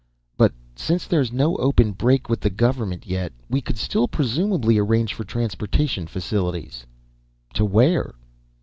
"But since there's no open break with the government yet, we could still presumably arrange for transportation facilities." "To where?"